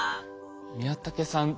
宮竹さん